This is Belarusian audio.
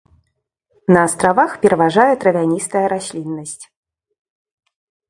На астравах пераважае травяністая расліннасць.